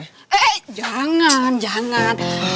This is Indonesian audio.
eh jangan jangan